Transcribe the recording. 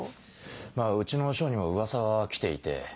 まぁうちの署にも噂は来ていて。